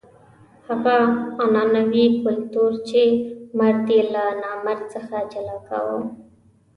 هغه عنعنوي کلتور چې مرد یې له نامرد څخه جلا کاوه.